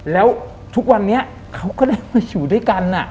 แล้วทุกวันนี้เขาก็ได้มาอยู่ด้วยกัน